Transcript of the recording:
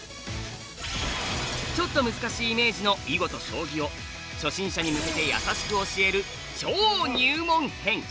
ちょっと難しいイメージの囲碁と将棋を初心者に向けて優しく教える超入門編。